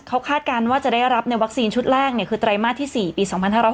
เขาคาดการณ์ว่าจะได้รับในวัคซีนชุดแรกคือไตรมาสที่๔ปี๒๕๖๐